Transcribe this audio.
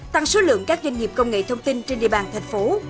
tăng số lượng các doanh nghiệp công nghệ thông tin trên địa bàn thành phố